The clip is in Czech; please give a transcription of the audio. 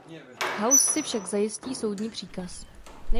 House si však zajistí soudní příkaz.